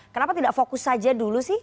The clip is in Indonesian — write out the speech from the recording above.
kenapa tidak fokus saja dulu sih